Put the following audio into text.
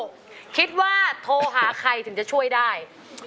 ก็คิดว่าโทรหาใครถึงจะช่วยได้